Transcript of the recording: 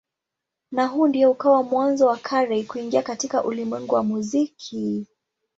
Na huu ndio ukawa mwanzo wa Carey kuingia katika ulimwengu wa muziki.